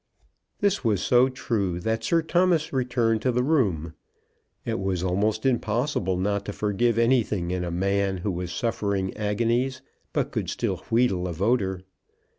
This was so true that Sir Thomas returned to the room. It was almost impossible not to forgive anything in a man who was suffering agonies, but could still wheedle a voter.